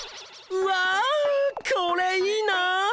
うわこれいいな。